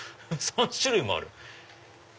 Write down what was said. ３種類もある。